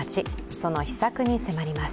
その秘策に迫ります。